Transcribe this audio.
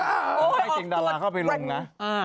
ต้้องได้เตียงดาราเข้าไปลงนะ